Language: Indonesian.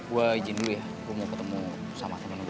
gue izin dul ya gue mau ketemu sama temen gue